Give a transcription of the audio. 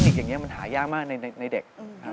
เทคนิคอย่างนี้มันหายากมากในเด็ก